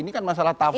ini kan masalah tafsir